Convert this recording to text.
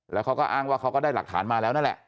แล้วเขาก็อ้างว่าเขาก็ได้หลักฐานมาแล้วนั่นแหละ